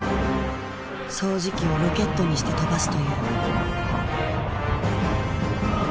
掃除機をロケットにして跳ばすという。